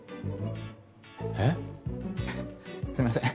えっ？はっすいません